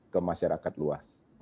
ke masyarakat luas